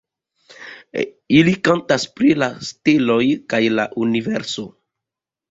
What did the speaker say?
Ili kantas pri la steloj kaj la universo.